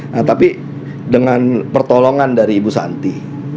nah tapi dengan pertolongan dari ibu santi